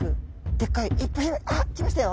でっかいいっぱいあっ来ましたよ。